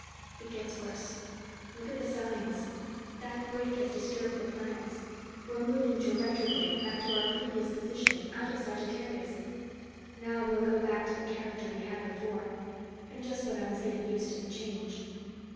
"It gets worse. Look at the signs. That break has disturbed the planets. We're moving retrograde, back to our previous position, out of Sagittarius! Now we'll go back to the character we had before and just when I was getting used to the change."